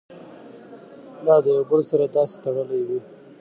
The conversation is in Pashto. دا د يو بل سره داسې تړلي وي